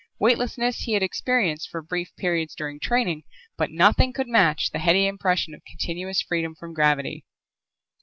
Weightlessness he had experienced for brief periods during training, but nothing could match the heady impression of continuous freedom from gravity.